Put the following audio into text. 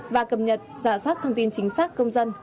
và cập nhật giả soát thông tin chính xác công dân